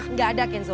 nggak ada kenzo